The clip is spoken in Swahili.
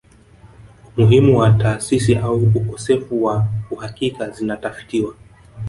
Umuhimu wa taasisi au ukosefu wa uhakika zinatafitiwa